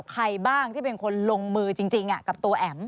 ใครบ้างที่เป็นคนลงมือจริงกับตัวแอ๋ม